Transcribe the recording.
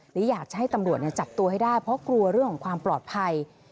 หรืออยากจะให้ตำรวจจับตัวให้ได้เพราะกลัวเรื่องของความปลอดภัย